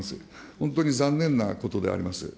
本当に残念なことであります。